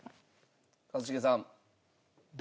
一茂さん。